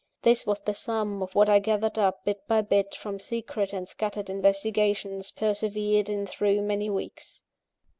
This was the sum of what I gathered up, bit by bit, from secret and scattered investigations, persevered in through many weeks.